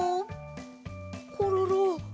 コロロ。